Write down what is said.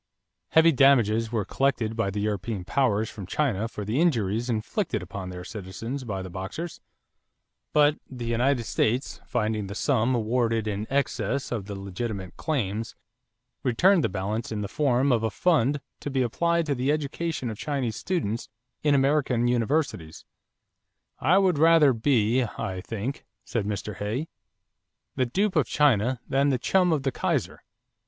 Heavy damages were collected by the European powers from China for the injuries inflicted upon their citizens by the Boxers; but the United States, finding the sum awarded in excess of the legitimate claims, returned the balance in the form of a fund to be applied to the education of Chinese students in American universities. "I would rather be, I think," said Mr. Hay, "the dupe of China than the chum of the Kaiser."